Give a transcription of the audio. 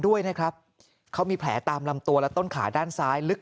ด้วยนะครับเขามีแผลตามลำตัวและต้นขาด้านซ้ายลึก